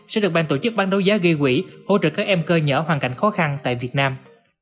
sẽ được ban tổ chức ban đấu giá ghi quỷ hỗ trợ các em cơ nhở hoàn cảnh khó khăn tại việt nam